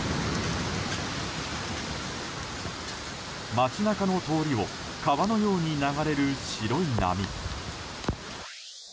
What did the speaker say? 街中の通りを川のように流れる白い波。